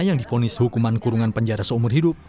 yang difonis hukuman kurungan penjara seumur hidup